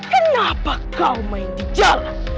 kenapa kau main di jalan